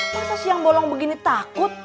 masa siang bolong begini takut